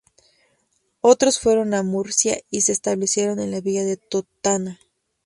Otros fueron a Murcia y se establecieron en la villa de Totana.